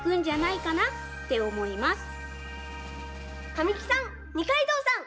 神木さん二階堂さん